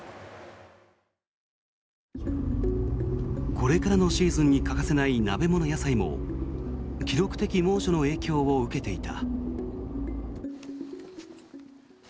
これからのシーズンに欠かせない鍋物野菜も記録的猛暑の影響を受けていた。